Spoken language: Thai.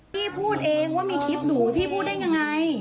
พี่พูดเองว่ามีคลิปหนูพี่พูดได้ยังไง